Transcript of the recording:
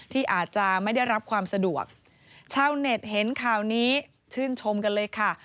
ที่อาจจะไม่ได้รับความสะดวกชาวเน็ตเห็นข่าวนี้ชื่นชมกันเลยค่ะ